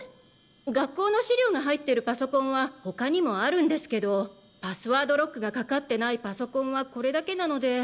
学校の資料が入ってるパソコンは他にもあるんですけどパスワードロックがかかってないパソコンはこれだけなので。